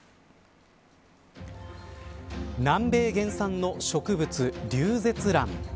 南米原産の植物リュウゼツラン。